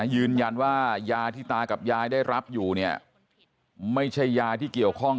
ยืนยันว่ายาที่ตากับยายได้รับอยู่เนี่ยไม่ใช่ยาที่เกี่ยวข้อง